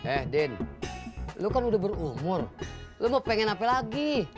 eh den lo kan udah berumur lo mau pengen apa lagi